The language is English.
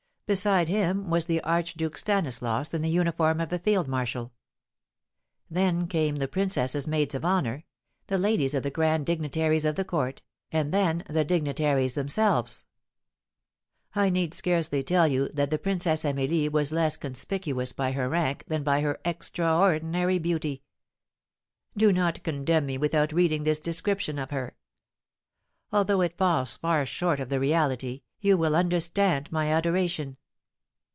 Beside him was the Archduke Stanislaus in the uniform of a field marshal; then came the princess's maids of honour, the ladies of the grand dignitaries of the court, and then the dignitaries themselves. I need scarcely tell you that the Princess Amelie was less conspicuous by her rank than by her extraordinary beauty. Do not condemn me without reading this description of her. Although it falls far short of the reality, you will understand my adoration.